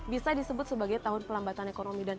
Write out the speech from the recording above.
bisa disebut sebagai tahun perlambatan ekonomi